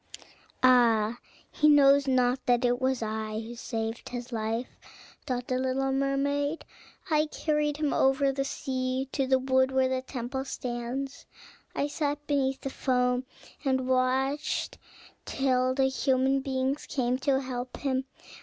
"Ah, he knows not that it was I who saved his life," thought the little mermaid. "I carried him over the sea to the wood where the temple stands: I sat beneath the foam, and watched till the human beings came to help him.